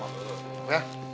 jalan dulu ya